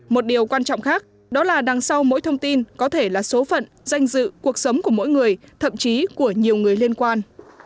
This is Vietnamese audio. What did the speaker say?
một điều quan trọng khác đó là đằng sau mỗi thông tin có thể là số phận danh dự cuộc sống của mỗi người thậm chí của nhiều người liên quan